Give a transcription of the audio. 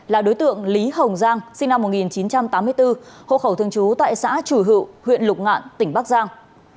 là đối tượng lý hồng giang sinh năm một nghìn chín trăm tám mươi bốn hộ khẩu thường trú tại xã chủ hữu huyện lục ngạn tỉnh bắc giang